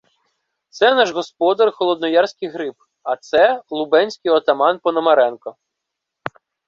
Це — наш господар холодноярський Гриб, а це лубенський отаман Пономаренко.